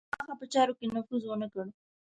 هغه په چارو کې نفوذ ونه لري.